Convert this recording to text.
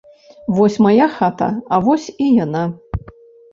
Вось мая хата, а вось і яна.